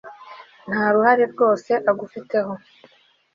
nta ruhare rwose agufiteho